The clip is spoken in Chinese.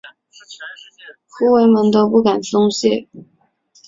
护卫们都不敢松懈。